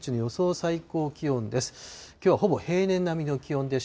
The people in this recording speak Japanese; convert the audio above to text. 最高気温です。